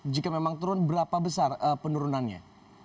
jika memang turun berapa besar penurunannya